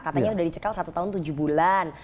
katanya sudah dicekal satu tahun tujuh bulan